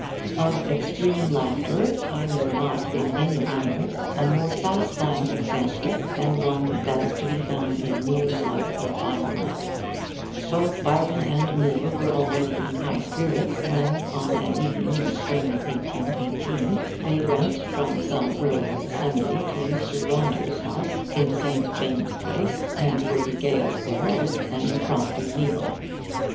Of extreme laughter I know not in any annals a more satisfying example than one that is to be found in Moore's Life of Byron. Both Byron and Moore were already in high spirits when, on an evening in the spring of 1818, they went 'from some early assembly' to Mr. Rogers' house in St. James's Place and were regaled there with an impromptu meal.